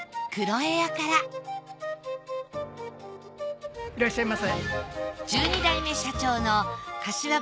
いらっしゃいませ。